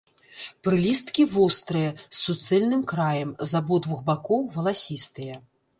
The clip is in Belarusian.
Прылісткі вострыя, з суцэльным краем, з абодвух бакоў валасістыя.